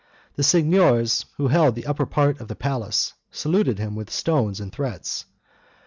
The signors, who held the upper part of the palace, saluted him with stones and threats.